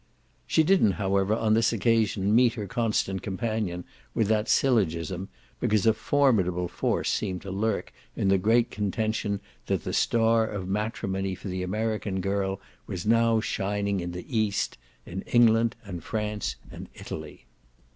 She didn't however on this occasion meet her constant companion with that syllogism, because a formidable force seemed to lurk in the great contention that the star of matrimony for the American girl was now shining in the east in England and France and Italy.